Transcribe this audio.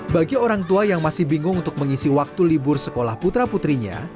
bagi orang tua yang masih bingung untuk mengisi waktu libur sekolah putra putrinya